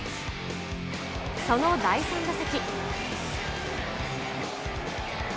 その第３打席。